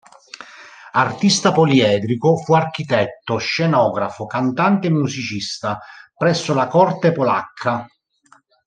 Artista poliedrico, fu architetto, scenografo, cantante e musicista presso la corte polacca.